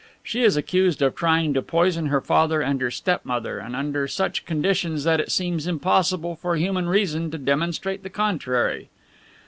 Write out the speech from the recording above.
She is accused of trying to poison her father and her step mother, and under such conditions that it seems impossible for human reason to demonstrate the contrary.